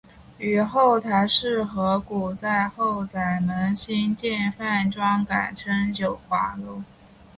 后与邰氏合股在后宰门兴建饭庄改称九华楼。